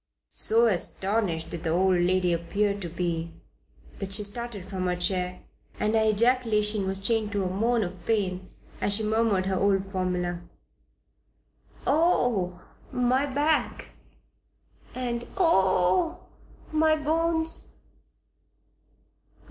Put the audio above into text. So astonished did the old lady appear to be that she started from her chair and her ejaculation was changed to a moan of pain as she murmured her old formula: "Oh, my back and oh, my bones!"